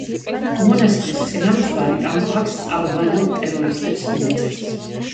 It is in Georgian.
მონასტრის წინამძღვარი ამ ფაქტს ალბანელ ტერორისტებს მიაწერს.